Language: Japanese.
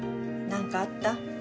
何かあった？